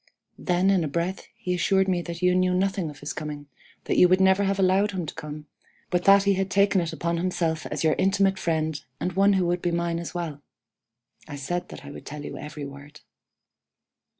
Then in a breath he assured me that you knew nothing of his coming, that you would never have allowed him to come, but that he had taken it upon himself as your intimate friend and one who would be mine as well. (I said that I would tell you every word.)